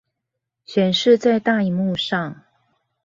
顯示在大螢幕上